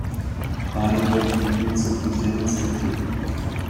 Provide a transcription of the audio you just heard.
Spanien wollte im Gegenzug Louisiana zurückgeben.